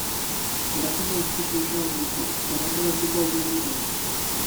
Erakunde ezkutu osoa erori zen, berrantolatzeko aukerarik gabe.